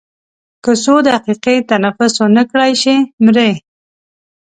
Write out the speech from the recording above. که څو دقیقې تنفس ونه کړای شي مري.